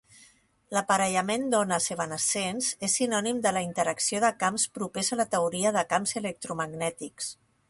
L'aparellament d'ones evanescents és sinònim de la interacció de camps propers a la teoria de camps electromagnètics.